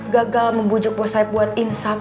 gagal membujuk bos saeb buat insap